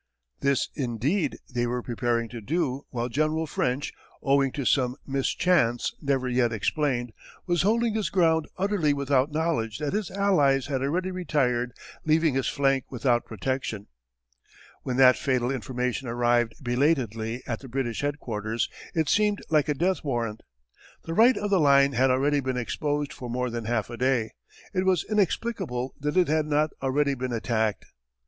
This indeed they were preparing to do while General French, owing to some mischance never yet explained, was holding his ground utterly without knowledge that his allies had already retired leaving his flank without protection. [Illustration: Photo by Peter A. Juley. Dropping a Depth Bomb. From the Painting by Lieutenant Farré.] When that fatal information arrived belatedly at the British headquarters it seemed like a death warrant. The right of the line had already been exposed for more than half a day. It was inexplicable that it had not already been attacked.